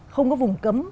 không có vùng cấm